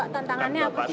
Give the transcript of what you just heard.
pak tantangannya apa sih